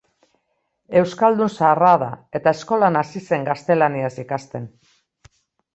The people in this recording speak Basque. Euskaldun zaharra da, eta eskolan hasi zen gaztelaniaz ikasten.